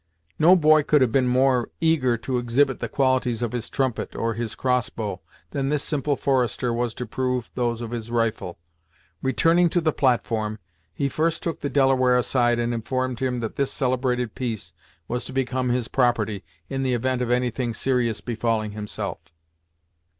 No boy could have been more eager to exhibit the qualities of his trumpet, or his crossbow, than this simple forester was to prove those of his rifle. Returning to the platform, he first took the Delaware aside, and informed him that this celebrated piece was to become his property, in the event of any thing serious befalling himself.